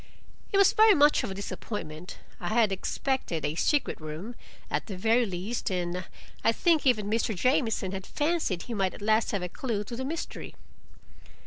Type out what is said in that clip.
It was very much of a disappointment. I had expected a secret room, at the very least, and I think even Mr. Jamieson had fancied he might at last have a clue to the mystery.